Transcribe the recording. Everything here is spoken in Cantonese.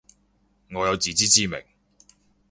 我有自知之明